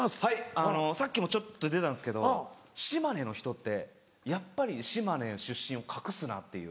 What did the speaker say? あのさっきもちょっと出たんですけど島根の人ってやっぱり島根出身を隠すなっていう。